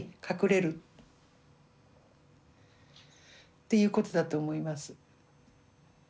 っていうことだと思います。